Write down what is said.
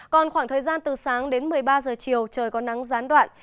còn khoảng thời gian từ sáng đến một mươi ba giờ chiều trời có nắng gián đoạn